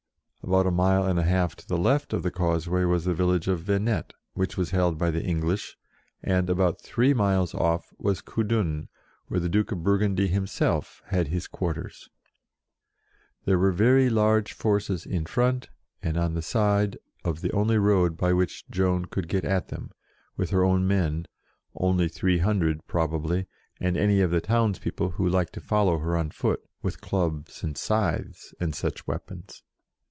About a mile and a half to the left of the causeway was the village of Venette, which was held by the English, and, about three miles oft", was Coudun, where the Duke of Burgundy himself had his quarters. There were very large forces HOW SHE WAS TAKEN 87 in front, and on the side, of the only road by which Joan could get at them, with her own men, only three hundred, probably, and any of the townspeople who liked to follow her on foot, with clubs and scythes, and such weapons.